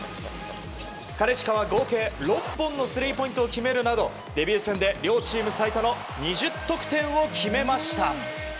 金近は合計６本のスリーポイントを決めるなどデビュー戦で両チーム最多の２０得点を決めました。